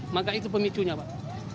maka itu pemicunya pak